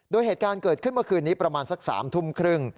โดยเหตุการณ์เกิดขึ้นเมื่อคืนนี้ประมาณสัก๓ทุ่มครึ่ง